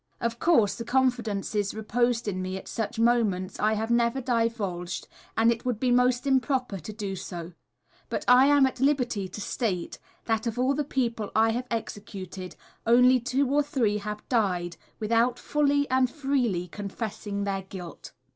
Of course, the confidences reposed in me at such moments I have never divulged, and it would be most improper to do so; but I am at liberty to state, that of all the people I have executed, only two or three have died without fully and freely confessing their guilt.